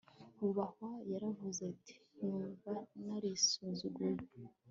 wubahwa yaravuze ati numva narisuzuguye